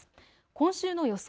今週の予想